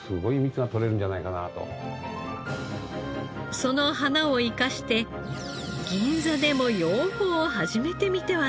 その花を生かして銀座でも養蜂を始めてみてはどうか。